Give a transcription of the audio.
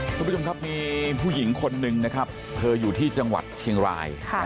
คุณผู้ชมครับมีผู้หญิงคนหนึ่งนะครับเธออยู่ที่จังหวัดเชียงราย